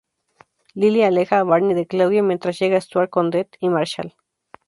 Lily aleja a Barney de Claudia mientras llega Stuart con Ted y Marshall.